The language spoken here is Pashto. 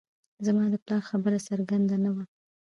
زما د پلار خبره څرګنده نه وه